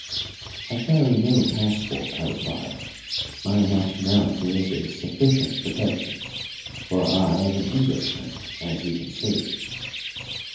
"I carry no passport," I replied. "My nationality is a sufficient protection, for I am an Englishman as you can see."